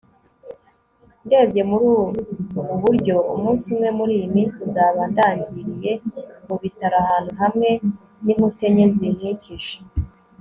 ndebye muri ubu buryo: umunsi umwe muriyi minsi nzaba ndangiriye mubitaro ahantu hamwe n'inkuta enye zinkikije